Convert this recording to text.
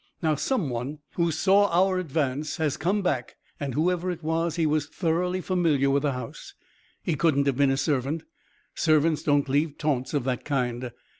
Now some one who saw our advance has come back, and, whoever it was, he was thoroughly familiar with the house. He couldn't have been a servant. Servants don't leave taunts of that kind.